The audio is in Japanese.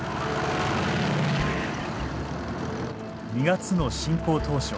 ２月の侵攻当初。